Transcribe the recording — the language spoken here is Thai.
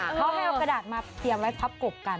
เขาให้เอากระดาษมาเตรียมไว้ทับกบกัน